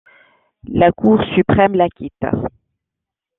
La Cour suprême l'acquitte.